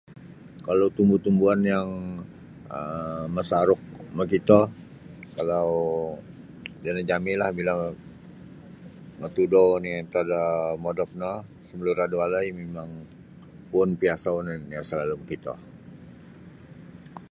Kalau tumbu-tumbuan yang um masaruk makito kalau sino jami'lah bila matudou oni' antad da modop no sumalura' da walai mimang puun piasau oni' yang selalu' makito.